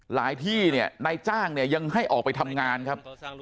ที่เนี่ยนายจ้างเนี่ยยังให้ออกไปทำงานครับ